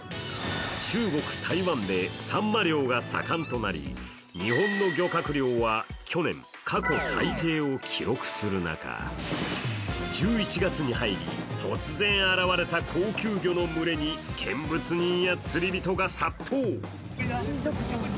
中国、台湾でさんま漁が盛んとなり日本の漁獲量は去年、過去最低を記録する中、１１月に入り、突然現れた高級魚の群れに見物人や釣り人が殺到。